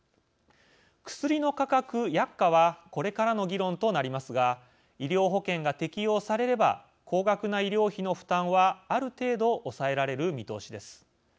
薬の価格薬価はこれからの議論となりますが医療保険が適用されれば高額な医療費の負担はある程度抑えられる見通しです。